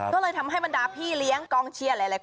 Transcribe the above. ก็เลยทำให้บรรดาพี่เลี้ยงกองเชียร์หลายคน